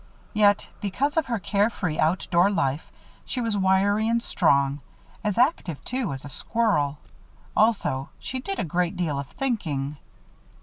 Yet, because of her carefree, outdoor life, she was wiry and strong; as active, too, as a squirrel. Also, she did a great deal of thinking.